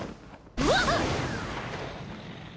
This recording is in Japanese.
うわっ！